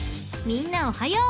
［みんなおはよう。